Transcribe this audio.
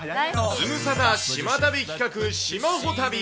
ズムサタ島旅企画、島ホ旅。